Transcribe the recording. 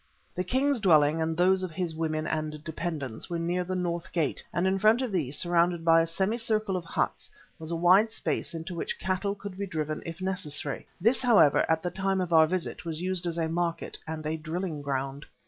The king's dwelling and those of his women and dependents were near the North gate, and in front of these, surrounded by semi circles of huts, was a wide space into which cattle could be driven if necessary. This, however, at the time of our visit, was used as a market and a drilling ground.